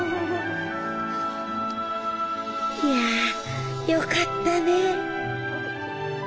いやよかったね